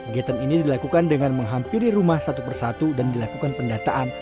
giatan ini dilakukan dengan menghampiri rumah satu persatu dan dilakukan pendataan